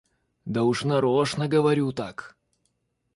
Да уж нарочно говорю так.